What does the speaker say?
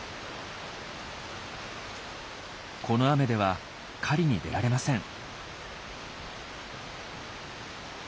この雨では狩りに出られません。